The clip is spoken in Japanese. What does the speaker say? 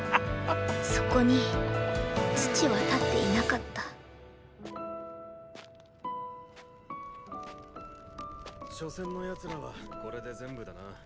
そこに父は立っていなかった初戦の奴らはこれで全部だな。